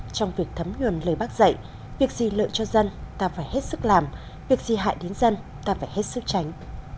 trong việc thấm nhuần lời bác dạy việc gì lợi cho dân ta phải hết sức làm việc gì hại đến dân ta phải hết sức tránh